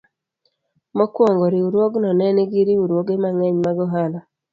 Mokwongo, riwruogno ne nigi riwruoge mang'eny mag ohala.